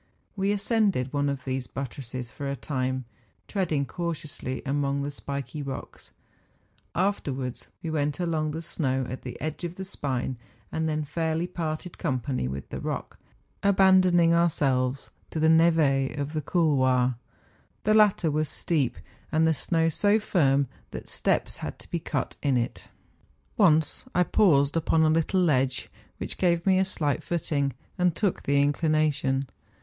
We ascended one of these but¬ tresses for a time, treading cautiously among the spiky rocks; afterwards we went along the snow at the edge of the spine, and then fairly parted com¬ pany with the rock, abandoning ourselves to the neve of the couloir. The latter was steep, and the snow so firm that steps had to be cut in it. Once I paused upon a little ledge, which gave me a slight footing, and took the inclination.